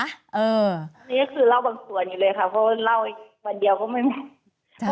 อันนี้ก็คือเล่าบางส่วนอยู่เลยค่ะเพราะว่าเล่าอีกวันเดียวก็ไม่ไหว